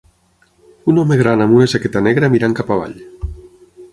Un home gran amb una jaqueta negra mirant cap avall.